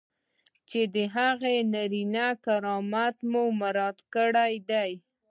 چې د هغه انساني کرامت مو مراعات کړی دی.